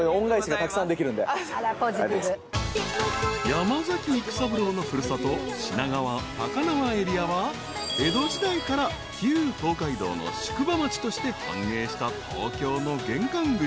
［山崎育三郎の古里品川高輪エリアは江戸時代から旧東海道の宿場町として繁栄した東京の玄関口］